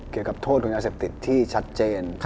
เกี่ยวกับโทษของยาเสพติดที่ชัดเจน